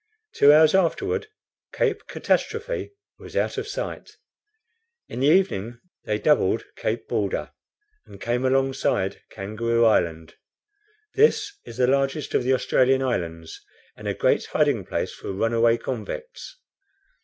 Two hours afterward Cape Catastrophe was out of sight. In the evening they doubled Cape Borda, and came alongside Kangaroo Island. This is the largest of the Australian islands, and a great hiding place for runaway convicts.